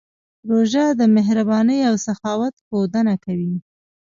روژه د مهربانۍ او سخاوت ښودنه کوي.